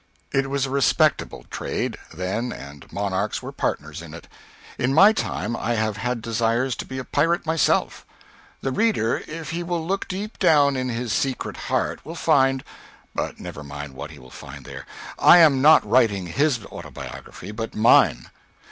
It was a respectable trade, then, and monarchs were partners in it. In my time I have had desires to be a pirate myself. The reader if he will look deep down in his secret heart, will find but never mind what he will find there; I am not writing his Autobiography, but mine.